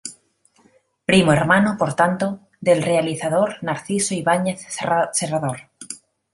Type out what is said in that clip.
Primo hermano por tanto del realizador Narciso Ibáñez Serrador.